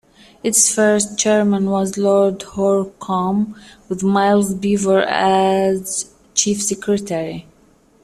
Its first chairman was Lord Hurcomb, with Miles Beevor as Chief Secretary.